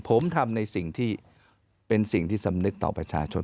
ผมทำในสิ่งที่เป็นสิ่งที่สำนึกต่อประชาชน